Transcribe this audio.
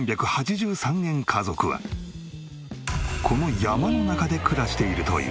この山の中で暮らしているという。